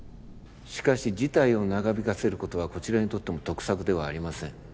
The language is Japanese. しかし事態を長引かせることはこちらにとっても得策ではありません。